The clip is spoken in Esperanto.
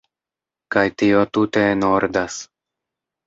Kaj tio tute enordas.